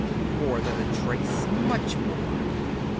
"More than a trace; much more."